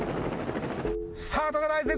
スタートが大切